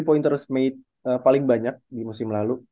tiga pointers made paling banyak di musim lalu